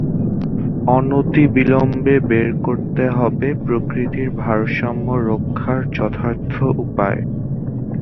অনতিবিলম্বে বের করতে হবে প্রকৃতির ভারসাম্য রক্ষার যথার্থ উপায়।